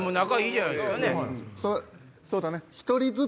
そうだね。